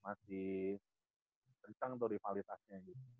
masih terisang tuh rivalitasnya gitu